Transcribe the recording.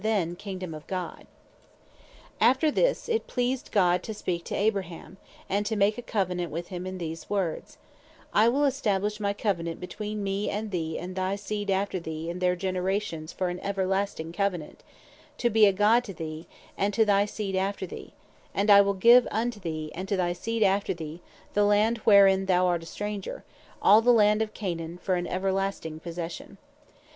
The Originall Of The Kingdome Of God After this, it pleased God to speak to Abraham, and (Gen. 17.7,8.) to make a Covenant with him in these words, "I will establish my Covenant between me, and thee, and thy seed after thee in their generations, for an everlasting Covenant, to be a God to thee, and to thy seed after thee; And I will give unto thee, and to thy seed after thee, the land wherein thou art a stranger, all the land of Canaan for an everlasting possession."